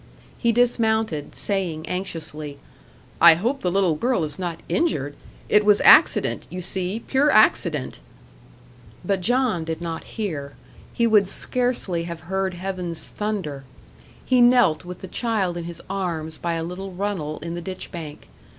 He dismounted, saying, anxiously, "I hope the little girl is not injured? It was accident you see pure accident." But John did not hear; he would scarcely have heard heaven's thunder. He knelt with the child in his arms by a little runnel in the ditch bank.